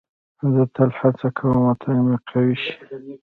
زه تل هڅه کوم وطن مې قوي شي.